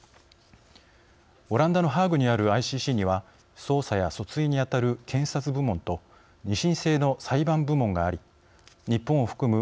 オランダのハーグにあるＩＣＣには捜査や訴追にあたる検察部門と２審制の裁判部門があり日本を含む